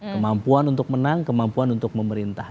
kemampuan untuk menang kemampuan untuk memerintah